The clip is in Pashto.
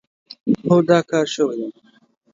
هو، دا کار شوی دی.